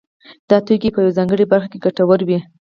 دا توکي په یوه ځانګړې برخه کې ګټور وي